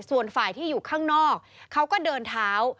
ส่วนฝ่ายที่อยู่ข้างนอกเขาก็เดินเท้า